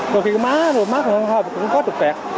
đôi khi má má cũng có trục vẹt